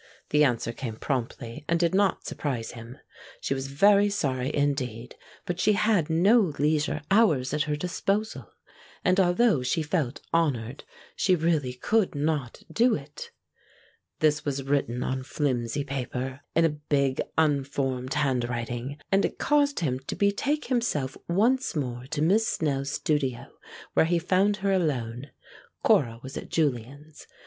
The answer came promptly, and did not surprise him. She was very sorry indeed, but she had no leisure hours at her disposal, and although she felt honored, she really could not do it. This was written on flimsy paper, in a big unformed handwriting, and it caused him to betake himself once more to Miss Snell's studio, where he found her alone Cora was at Julian's.